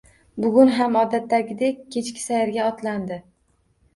Bugun ham odatdagidek kechki sayrga otlandi